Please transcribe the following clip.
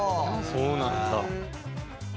そうなんだ。